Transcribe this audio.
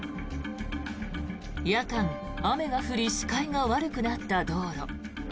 夜間、雨が降り視界が悪くなった道路。